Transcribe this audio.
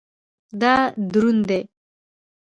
دا دروند دی